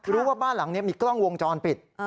รู้ว่าบ้านหลังนี้มีกล้องวงจรปิด